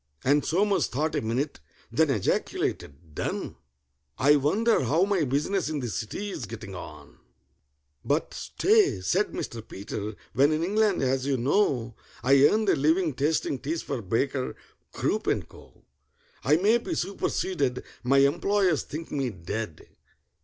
And SOMERS thought a minute, then ejaculated, "Done! I wonder how my business in the City's getting on?" "But stay," said Mr. PETER: "when in England, as you know, I earned a living tasting teas for BAKER, CROOP, AND CO., I may be superseded—my employers think me dead!"